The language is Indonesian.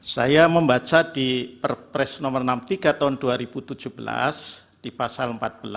saya membaca di perpres nomor enam puluh tiga tahun dua ribu tujuh belas di pasal empat belas